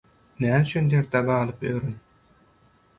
Näme üçin derde galyp ýörün?!